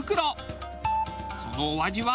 そのお味は？